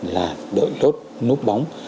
là đợi tốt nút bóng